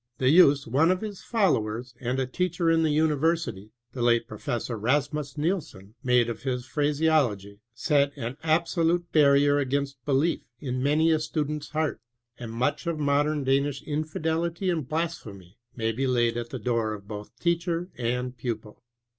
The use one of his followers and a teacher in the university, the late Pro fessor Rasmus Nielsen, made of his phraseol ogy, set an absolute barrier against belief in many a student's heart, and much of mod ern Danish infldelitv and blasphemy may be laid at the door of both teacher and pupil.